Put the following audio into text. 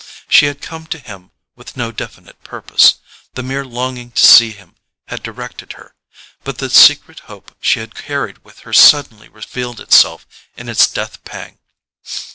She had come to him with no definite purpose; the mere longing to see him had directed her; but the secret hope she had carried with her suddenly revealed itself in its death pang.